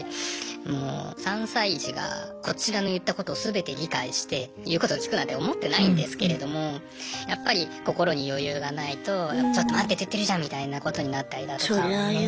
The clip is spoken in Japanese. もう３歳児がこちらの言ったこと全て理解して言うことを聞くなんて思ってないんですけれどもやっぱり心に余裕がないとちょっと待ってって言ってるじゃん！みたいなことになったりだとか。